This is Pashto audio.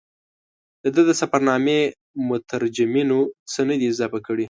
د ده د سفرنامې مترجمینو څه نه دي اضافه کړي.